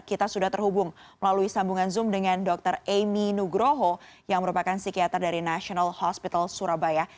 kita sudah terhubung melalui sambungan zoom dengan dr emi nugroho yang merupakan psikiater dari national hospital surabaya